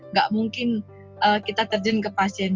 nggak mungkin kita terjun ke pasien